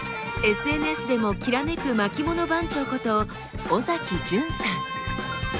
ＳＮＳでもきらめく巻物番長こと尾崎淳さん。